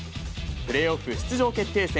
プレーオフ出場決定戦、